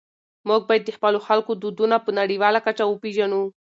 موږ باید د خپلو خلکو دودونه په نړيواله کچه وپېژنو.